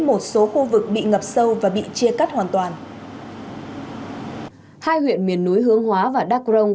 một số khu vực bị ngập sâu và bị chia cắt hoàn toàn hai huyện miền núi hướng hóa và đắk rồng